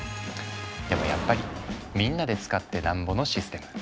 でもやっぱりみんなで使ってなんぼのシステム。